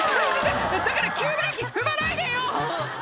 「だから急ブレーキ踏まないでよ！」